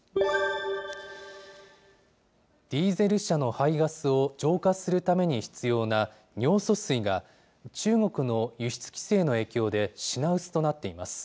ディーゼル車の排ガスを浄化するために必要な尿素水が、中国の輸出規制の影響で品薄となっています。